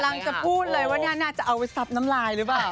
จะพูดเลยว่าน่าจะเอาไปซับน้ำลายหรือเปล่า